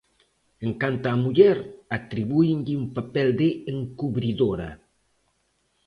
En canto á muller, atribúenlle un papel de "encubridora".